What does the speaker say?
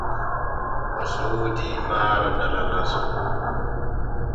O soodii maaro dala laso.